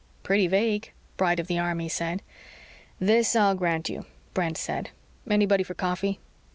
"Pretty vague," Bright of the Army said. "This I'll grant you." Brent said. "Anybody for coffee?"